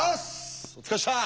お疲れでした！